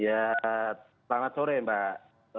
ya tanggal sore mbak